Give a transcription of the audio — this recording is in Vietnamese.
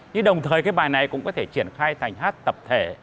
nhưng đồng thời cái bài này cũng có thể triển khai thành hát tập thể